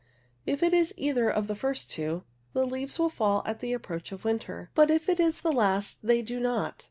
If it is either of the first two, the leaves will fall at the approach of winter, but if it is the last they do not.